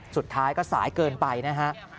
สุดท้ายก็สายเกินไปนะฮะ